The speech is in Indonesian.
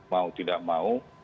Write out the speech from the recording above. mau tidak mau